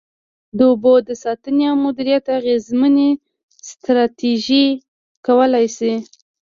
د اوبو د ساتنې او مدیریت اغیزمنې ستراتیژۍ کولای شي.